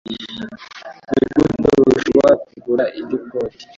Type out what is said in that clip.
Nigute ushobora kugura indi koti?